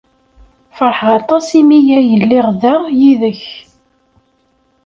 Feṛḥeɣ aṭas imi ay lliɣ da, yid-k.